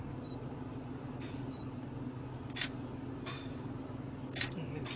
ไม่พี่ดีจ้ะ